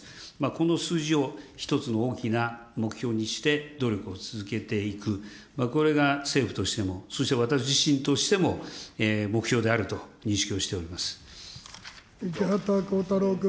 この数字を一つの大きな目標にして、努力を続けていく、これが政府としても、そして私自身としても、目標であると認識をしております。